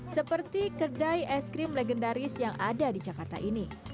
seperti kedai es krim legendaris yang ada di jakarta ini